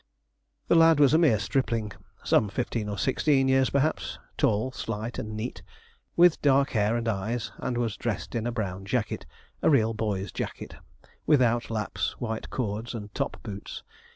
The lad was a mere stripling some fifteen or sixteen, years, perhaps tall, slight, and neat, with dark hair and eyes, and was dressed in a brown jacket a real boy's jacket, without laps, white cords, and top boots.